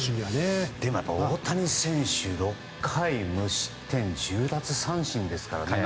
でも大谷選手、６回無失点１０奪三振ですからね。